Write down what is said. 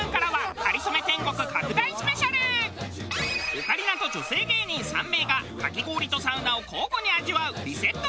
オカリナと女性芸人３名がかき氷とサウナを交互に味わうリセットグルメ。